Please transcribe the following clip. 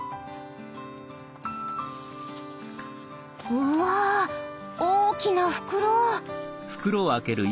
うわぁ大きな袋！